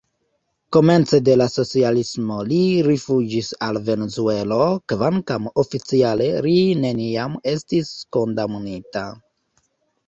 Komence de la socialismo li rifuĝis al Venezuelo, kvankam oficiale li neniam estis kondamnita.